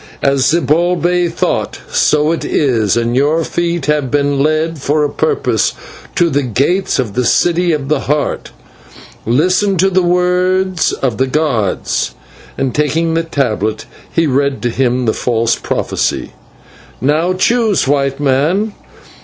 As Zibalbay thought, so it is, and your feet have been led for a purpose to the gates of the City of the Heart. Listen to the words of the gods" and, taking the tablet, he read to him the false prophecy. "Now choose, White Man.